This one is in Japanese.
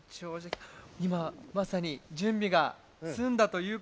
今まさに準備が済んだということで。